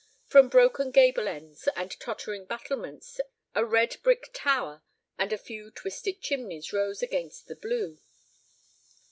From broken gable ends and tottering battlements a red brick tower and a few twisted chimneys rose against the blue.